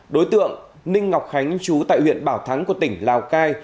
đối tượng ninh ngọc khánh chú tại huyện bảo thắng của tỉnh lào cai